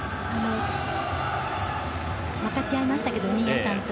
分かち合いましたけど新谷さんと。